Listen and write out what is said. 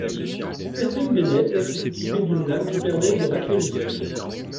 Certaines bennettes sont équipées d'une lame qui permet de racler le sol.